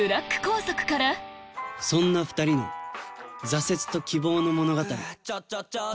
そんな２人の挫折と希望の物語。